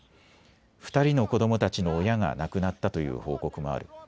２人の子どもたちの親が亡くなったという報告もある。